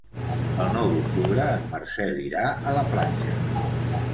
El nou d'octubre en Marcel irà a la platja.